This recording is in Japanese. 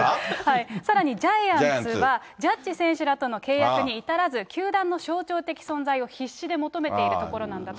さらにジャイアンツはジャッジ選手らとの契約に至らず、球団の象徴的存在を必死で求めているところなんだと。